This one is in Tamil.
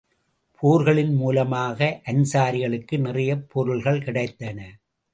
போர்களின் மூலமாக அன்ஸாரிகளுக்கு நிறையப் பொருள்கள் கிடைத்தன.